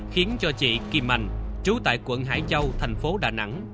khiến cho chị kim anh trú tại quận hải châu thành phố đà nẵng